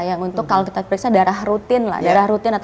yang untuk kalau kita periksa darah rutin lah darah rutin